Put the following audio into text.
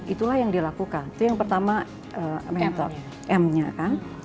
itulah yang dilakukan itu yang pertama m nya kan